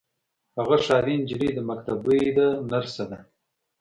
هغه ښاري نجلۍ ده مکتبۍ ده نرسه ده.